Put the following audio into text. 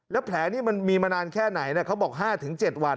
แล้วแผลนี่มันมีมานานแค่ไหนเขาบอก๕๗วัน